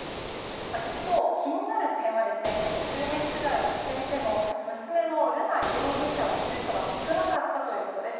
一方、気になる点は周辺取材をしていても娘の瑠奈容疑者を知る人は少なかったということです。